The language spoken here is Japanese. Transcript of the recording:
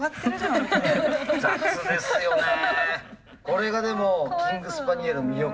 これがでもキングスパニエルの魅力。